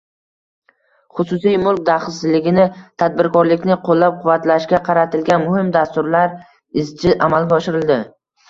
Xususiy mulk daxlsizligini, tadbirkorlikni qo‘llab-quvvatlashga qaratilgan muhim dasturlar izchil amalga oshirildi.